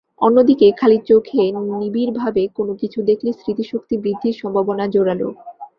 অন্যদিকে, খালি চোখে নিবিড়ভাবে কোনো কিছু দেখলে স্মৃতিশক্তি বৃদ্ধির সম্ভাবনা জোরালো।